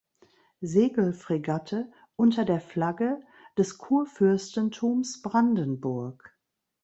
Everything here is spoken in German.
Segelfregatte unter der Flagge des Kurfürstentums Brandenburg.